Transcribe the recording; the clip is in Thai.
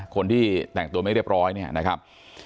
คนที่แต่งตัวไม่เรียบร้อยเนี่ยนะครับ